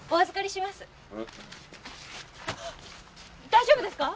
大丈夫ですか？